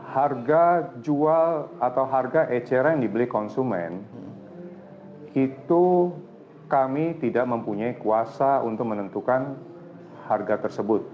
harga jual atau harga eceran yang dibeli konsumen itu kami tidak mempunyai kuasa untuk menentukan harga tersebut